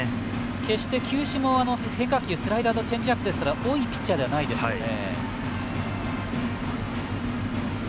決して、球種も変化球、スライダーとチェンジアップと多いピッチャーではないですよね。